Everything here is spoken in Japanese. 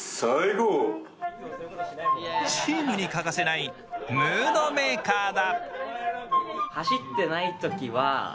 チームに欠かせないムードメーカーだ。